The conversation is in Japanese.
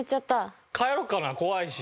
帰ろうかな怖いし。